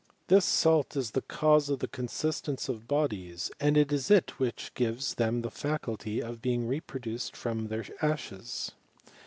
This salt is the cause of the consistence of bodies, and it is it which gives them the faculty of being reproduced from their ashes.